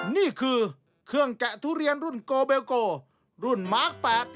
นี่คือเครื่องแกะทุเรียนรุ่นโกเบลโกรุ่นมาร์ค๘